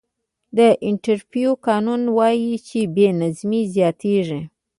د انټروپي قانون وایي چې بې نظمي زیاتېږي.